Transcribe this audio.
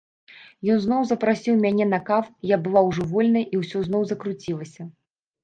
Ён зноў запрасіў мяне на каву, я была ўжо вольная, і ўсё зноў закруцілася.